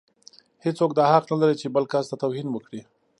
هيڅوک دا حق نه لري چې بل کس ته توهين وکړي.